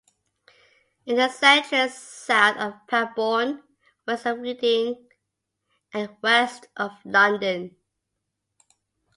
It is centred south of Pangbourne, west of Reading and west of London.